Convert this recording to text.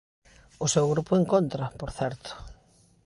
O seu grupo en contra, por certo.